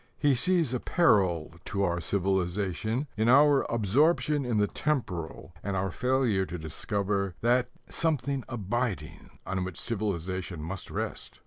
He sees a peril to our civilization in our absorption in the temporal and our failure to discover that "something abiding" on which civilization must rest.